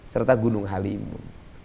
serta gunung halimun